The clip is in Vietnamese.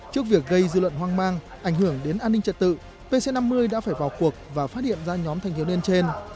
trước việc gây dư luận hoang mang ảnh hưởng đến an ninh trật tự pc năm mươi đã phải vào cuộc và phát hiện ra nhóm thanh thiếu niên trên